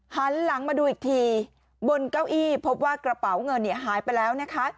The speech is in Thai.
หันหลังมาดูอีกทีบนเก้าอี้พบว่ากระเป๋าเงินหายไปแล้วนะคะ